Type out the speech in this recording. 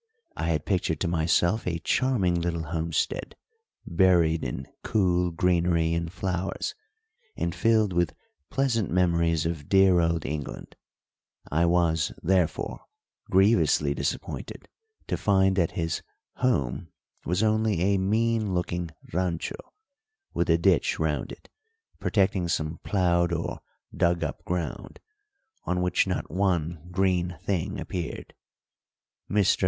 I had pictured to myself a charming little homestead, buried in cool greenery and flowers, and filled with pleasant memories of dear old England; I was, therefore, grievously disappointed to find that his "home" was only a mean looking rancho, with a ditch round it, protecting some ploughed or dug up ground, on which not one green thing appeared. Mr.